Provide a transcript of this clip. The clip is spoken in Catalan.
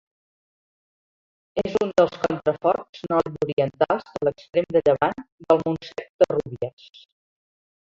És un dels contraforts nord-orientals de l'extrem de llevant del Montsec de Rúbies.